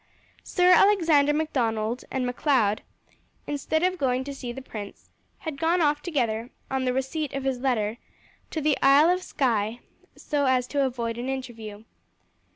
Sir Alexander Macdonald and Macleod, instead of going to see the prince, had gone off together, on the receipt of his letter, to the Isle of Skye, so as to avoid an interview.